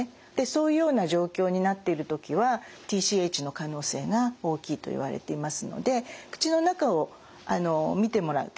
そういうような状況になってる時はＴＣＨの可能性が大きいといわれていますので口の中を見てもらう。